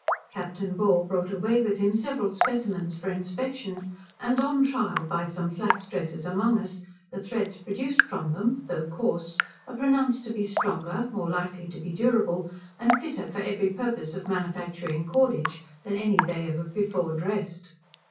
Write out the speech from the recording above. Captain Ball brought away with him several specimens for inspection, and, on trial, by some flax dressers among us, the threads produced from them, though coarse, are pronounced to be stronger, more likely to be durable, and fitter for every purpose of manufacturing cordage, than any they ever before dressed.